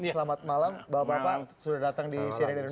selamat malam bapak bapak sudah datang di cnn indonesia